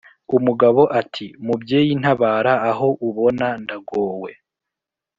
umugabo ati: "Mubyeyi ntabara aho ubona ndagowe